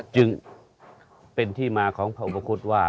จึงเป็นที่มาของพระอุปคุฎว่า